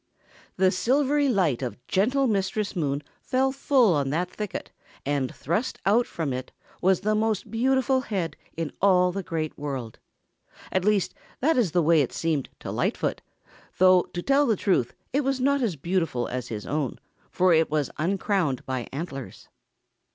The silvery light of gentle Mistress Moon fell full on that thicket, and thrust out from it was the most beautiful head in all the Great World. At least, that is the way it seemed to Lightfoot, though to tell the truth it was not as beautiful as his own, for it was uncrowned by antlers.